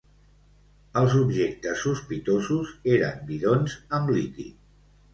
Els objectes sospitosos eren bidons amb líquid.